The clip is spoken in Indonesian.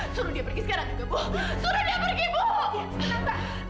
suruh dia pergi ibu